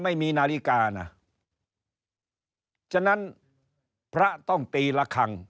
ไม่มีนาฬิกานะฉะนั้นพระต้องตีละครั้ง